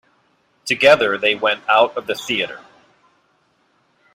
Together they went out of the theatre.